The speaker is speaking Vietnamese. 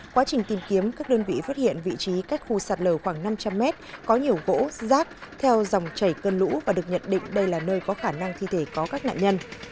quá trình tìm kiếm các đơn vị phát hiện vị trí cách khu sạt lở khoảng năm trăm linh mét có nhiều gỗ rác theo dòng chảy cơn lũ và được nhận định đây là nơi có khả năng thi thể có các nạn nhân